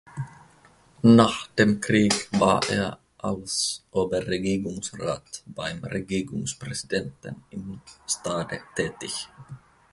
Nach dem Krieg war er als Oberregierungsrat beim Regierungspräsidenten in Stade tätig.